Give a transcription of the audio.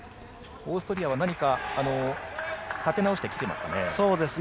オーストリアは何か立て直してきてますかね。